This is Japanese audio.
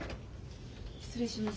失礼します。